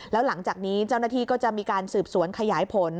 แล้วหลังจากนี้เจ้าหน้าที่ก็จะมีการสืบสวนขยายผล